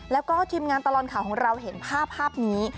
แล้วก็ทีมงานตลอดข่าวของเราเห็นภาพนี้